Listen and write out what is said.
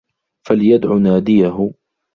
فَليَدعُ نادِيَهُ